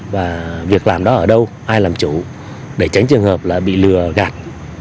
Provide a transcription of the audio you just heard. và việc làm đó ở đâu ai làm chủ để tránh trường hợp là bị lừa gạt